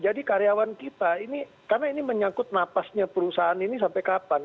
jadi karyawan kita karena ini menyangkut napasnya perusahaan ini sampai kapan